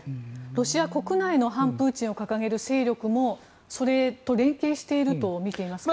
ロシア国内の反プーチンを掲げる勢力もそれと連携しているとみていますか。